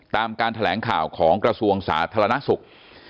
ตามการแถลงข่าวของกระทรวงสาธารณสุข